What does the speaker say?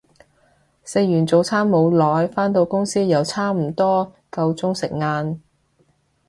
食完早餐冇耐，返到公司又差唔多夠鐘食晏